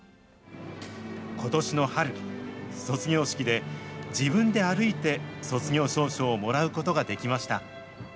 ことしの春、卒業式で、自分で歩いて卒業証書をもらうことができました。